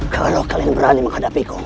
kalau kalian berani menghadapiku